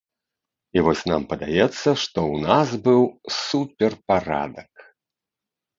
І вось нам падаецца, што ў нас быў суперпарадак.